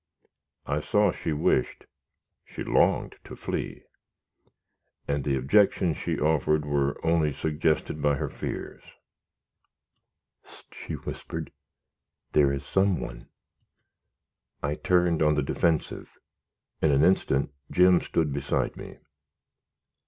I saw she wished she longed to flee, and the objections she offered were only suggested by her fears. "Hist!" she whispered, "there is some one." I turned on the defensive. In an instant Jim stood beside me.